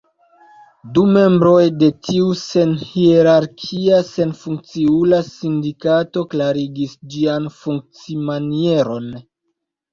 Du membroj de tiu senhierarkia, senfunkciula sindikato klarigis ĝian funkcimanieron.